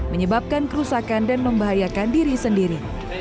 menyebabkan kerusakan dan membahayakan diri sendiri